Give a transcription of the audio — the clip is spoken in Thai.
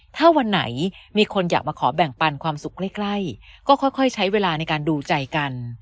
ถ้าวันไหนมีคนอยากมาขอแบ่งปันความสุขใกล้ก็ค่อยใช้เวลาในการดูใจกัน